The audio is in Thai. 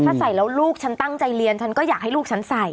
ถ้าใส่แล้วลูกฉันตั้งใจเรียนฉันก็อยากให้ลูกฉันใส่